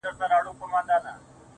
هغې ويل اور